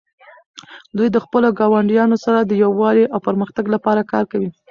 دوی د خپلو ګاونډیانو سره د یووالي او پرمختګ لپاره کار کوي.